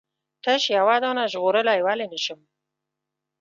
تش یوه دانه ژغورلای ولې نه شم؟